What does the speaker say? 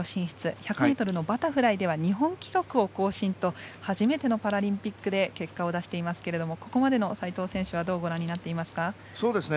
１００ｍのバタフライでは日本記録を更新と初めてのパラリンピックで結果を出していますけどもここまでの齋藤選手はどうご覧になっていますか？